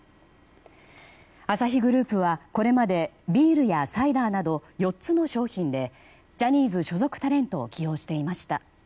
アサヒグループはこれまでビールやサイダーなど４つの商品でジャニーズ所属タレントを起用していました。